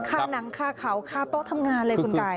หนังคาเขาคาโต๊ะทำงานเลยคุณกาย